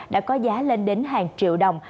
đã có giá lên đến hàng triệu đồng